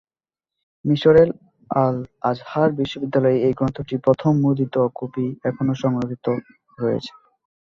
মিসরের আল-আজহার বিশ্ববিদ্যালয়ে এ গ্রন্থের প্রথম মুদ্রিত কপি এখনও সংরক্ষিত রয়েছে।